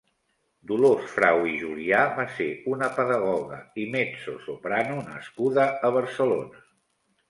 Dolors Frau i Julià va ser una pedagoga i mezzosoprano nascuda a Barcelona.